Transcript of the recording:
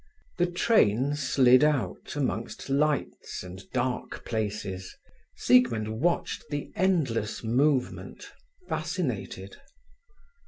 The train slid out amongst lights and dark places. Siegmund watched the endless movement, fascinated.